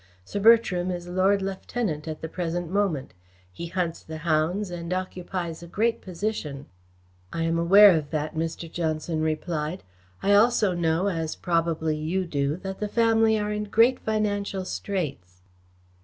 Sir Bertram is Lord Lieutenant at the present moment. He hunts the hounds and occupies a great position." "I am aware of that," Mr. Johnson replied. "I also know, as probably you do, that the family are in great financial straits."